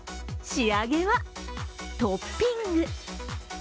仕上げはトッピング。